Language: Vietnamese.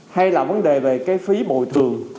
hay là vấn đề về cái phí bồi thường